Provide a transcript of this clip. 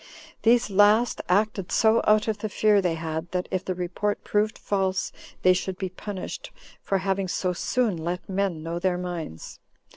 These last acted so out of the fear they had, that if the report proved false, they should be punished, for having so soon let men know their minds.